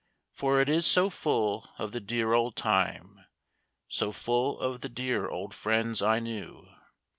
For it is so full of the dear old time So full of the dear old friends I knew.